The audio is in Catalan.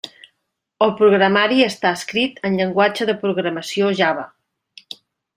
El programari està escrit en llenguatge de programació Java.